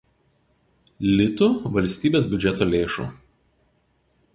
Lt valstybės biudžeto lėšų.